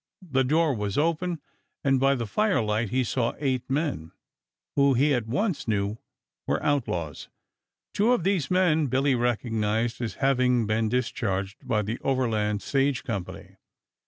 The door was opened and by the firelight he saw eight men, who he at once knew were outlaws. Two of these men Billy recognized as having been discharged by the Overland Stage Company.